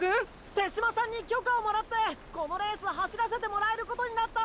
手嶋さんに許可をもらってこのレース走らせてもらえることになった！